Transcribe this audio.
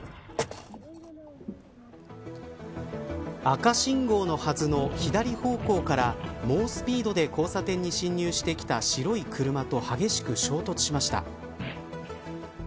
赤信号のはずの左方向から猛スピードで交差点に進入してきた白い車と激しく衝突しました。